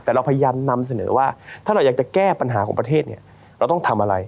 แต่เราพยายามนำเสนอว่าถ้าเราอยากจะแก้ปัญหาของประเทศเนี่ยเราต้องทำอะไร